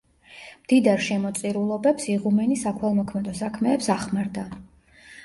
მდიდარ შემოწირულობებს იღუმენი საქველმოქმედო საქმეებს ახმარდა.